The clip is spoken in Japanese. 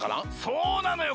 そうなのよ